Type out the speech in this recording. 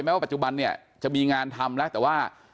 แม้ว่าปัจจุบันจะมีงานทำแล้วแต่ว่า